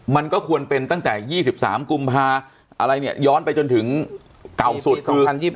มันก็ควรเป็นตั้งแต่ยี่สิบสามกุมภาคมอะไรเนี้ยย้อนไปจนถึงเก่าสุดคือ